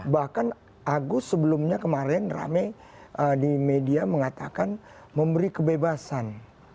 bahkan agus sebelumnya kemarin rame di media mengatakan memberi kebebasan